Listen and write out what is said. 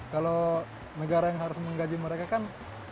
kalau negara yang harus menggaji mereka kan